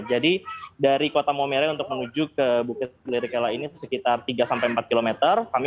jadi dari kota momereng untuk menuju ke bukit lirikela ini sekitar tiga empat km